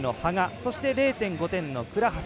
そして、０．５点の倉橋。